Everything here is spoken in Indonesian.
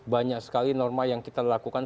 banyak sekali norma yang kita lakukan